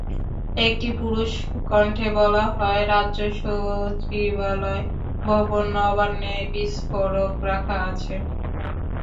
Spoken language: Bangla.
একটি পুরুষ কণ্ঠে বলা হয়, রাজ্য সচিবালয় ভবন নবান্নে বিস্ফোরক রাখা আছে।